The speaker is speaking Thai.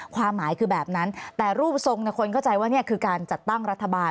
ความหมายคือแบบนั้นแต่รูปทรงคนเข้าใจว่านี่คือการจัดตั้งรัฐบาล